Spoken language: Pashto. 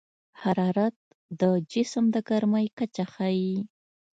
حرارت د جسم د ګرمۍ کچه ښيي.